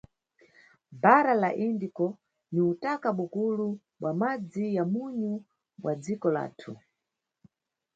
Bhara la Indiko ni utaka bukulu bwa madzi ya munyu bwa dziko lathu.